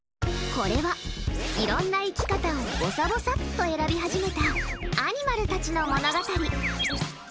これは、いろんな生き方をぼさぼさっと選び始めたアニマルたちの物語。